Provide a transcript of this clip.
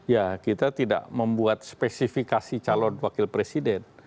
ya kita tidak membuat spesifikasi calon wakil presiden